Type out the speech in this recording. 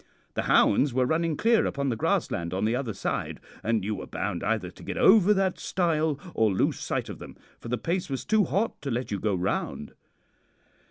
The hounds were running clear upon the grassland on the other side, and you were bound either to get over that stile or lose sight of them, for the pace was too hot to let you go round.